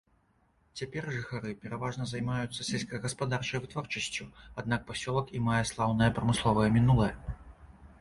Цяпер жыхары пераважна займаюцца сельскагаспадарчай вытворчасцю, аднак пасёлак і мае слаўнае прамысловае мінулае.